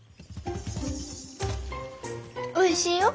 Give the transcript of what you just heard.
おいしいよ。